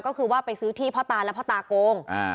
ก็คือว่าไปซื้อที่พ่อตาและพ่อตาโกง